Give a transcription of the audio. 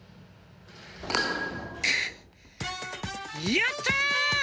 やった！